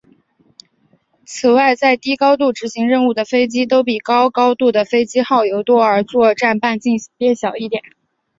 此外在低高度执行任务的飞机都比高高度的飞行耗油多而作战半径变小一点。